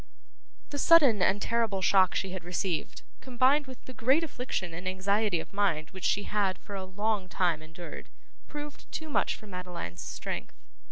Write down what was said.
The sudden and terrible shock she had received, combined with the great affliction and anxiety of mind which she had, for a long time, endured, proved too much for Madeline's strength.